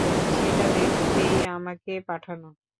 সেটা দেখতেই আমাকে পাঠানো।